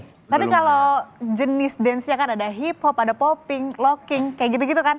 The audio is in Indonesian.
tapi kalau jenis dancenya kan ada hiphop ada popping locking kayak gitu gitu kan